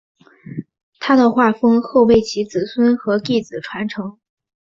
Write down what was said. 他的画风后被其子孙和弟子传承。